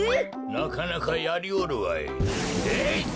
なかなかやりおるわい。